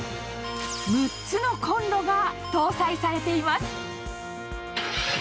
６つのコンロが搭載されています。